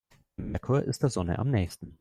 Der Merkur ist der Sonne am nähesten.